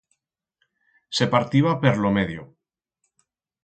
Se partiba per lo medio.